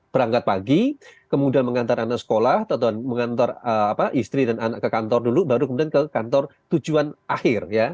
berangkat pagi kemudian mengantar anak sekolah mengantar istri dan anak ke kantor dulu baru kemudian ke kantor tujuan akhir